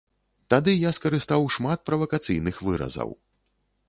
Тады я скарыстаў шмат правакацыйных выразаў.